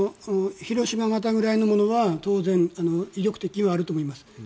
ヒロシマ型ぐらいのものは当然威力的にはあると思います。